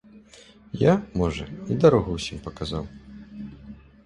Я, можа, і дарогу ўсім паказаў.